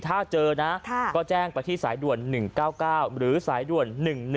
ถ้าเจอนะก็แจ้งไปที่สายด่วน๑๙๙หรือสายด่วน๑๑